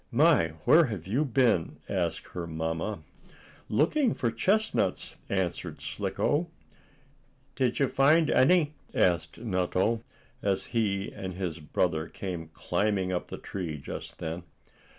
"My! Where have you been?" asked her mamma. "Looking for chestnuts," answered Slicko. "Did you find any?" asked Nutto, as he and his brother came climbing up the tree just then.